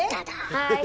はい。